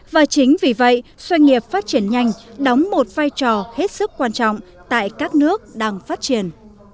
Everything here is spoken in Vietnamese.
và chính vì vậy doanh nghiệp phát triển nhanh đóng một vai trò hết sức quan trọng tại các nước đang phát triển